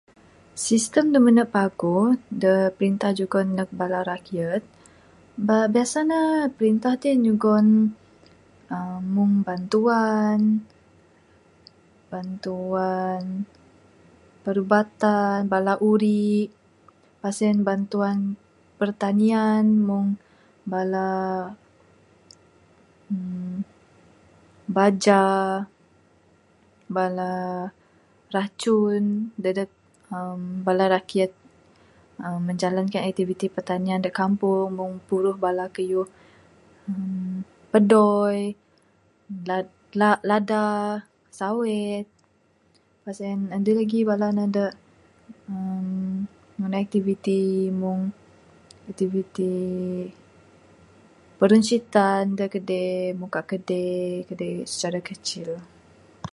Sistem da mene paguh da jugon perintah neg bala rakyat. Biasa ne perintah ti nyugon uhh Meng bantuan. Bantuan perubatan bala urik pas en bantuan pertanian meng bala hmm baja, bala racun dadeg uhh bala rakyat. Menjalankan activity pertanian da kampung Meng puruh bala kayuh pedoi, bala lada, sawit pas en adeh lagih bala de uhh ngunah activity meng activity peruncitan, muka kade, muka kade secara kecil.